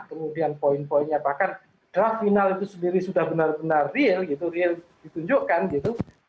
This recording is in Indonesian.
kemudian poin poinnya bahkan draft final itu sendiri sudah benar benar real gitu real ditunjukkan gitu